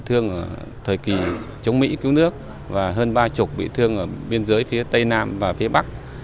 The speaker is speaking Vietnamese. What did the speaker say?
thương binh bị thương trong thế hệ chống nước và hơn ba mươi bị thương ở biên giới phía tây nam và phía bắc